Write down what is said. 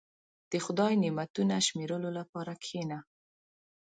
• د خدای نعمتونه شمیرلو لپاره کښېنه.